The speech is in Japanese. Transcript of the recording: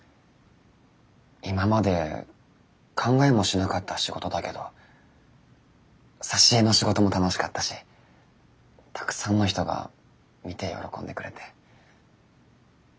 今まで考えもしなかった仕事だけど挿絵の仕事も楽しかったしたくさんの人が見て喜んでくれて。